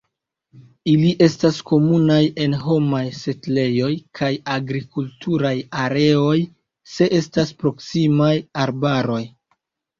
Ili estas komunaj en homaj setlejoj kaj agrikulturaj areoj se estas proksimaj arbaroj.